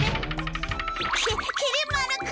ききり丸君！